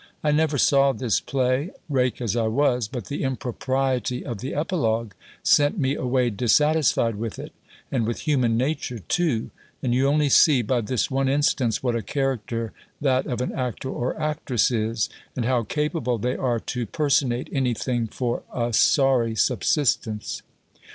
I never saw this play, rake as I was, but the impropriety of the epilogue sent me away dissatisfied with it, and with human nature too: and you only see, by this one instance, what a character that of an actor or actress is, and how capable they are to personate any thing for a sorry subsistence."